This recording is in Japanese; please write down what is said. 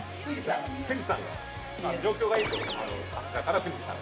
富士山が、状況がいいとあちらから富士山が。